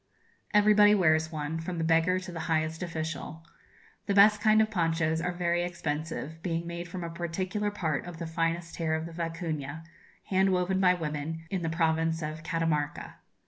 Everybody wears one, from the beggar to the highest official. The best kind of ponchos are very expensive, being made from a particular part of the finest hair of the vicuña, hand woven by women, in the province of Catamarca.